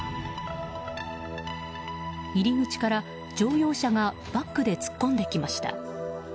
入り口から乗用車がバックで突っ込んできました。